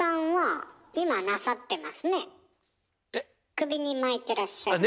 首に巻いてらっしゃるのは。